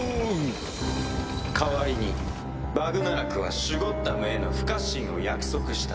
「代わりにバグナラクはシュゴッダムへの不可侵を約束した」